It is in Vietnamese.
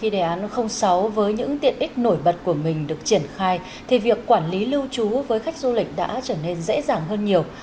đề án sáu với những tiện ích nổi bật của mình được triển khai thì việc quản lý lưu trú với khách du lịch đã trở nên dễ dàng hơn nhiều